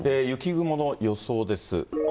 雪雲の予想です。